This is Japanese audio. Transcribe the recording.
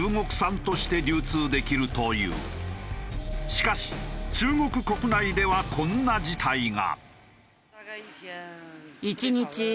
しかし中国国内ではこんな事態が。